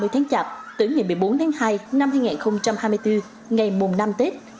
ba mươi tháng chạp tới ngày một mươi bốn tháng hai năm hai nghìn hai mươi bốn ngày mùng năm tết